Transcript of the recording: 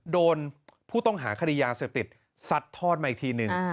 โดนผู้ต้องหาคดียาเสพติดซัดทอดมาอีกทีหนึ่ง